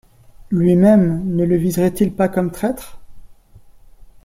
Lui-même, ne le viseraient-ils pas comme traître?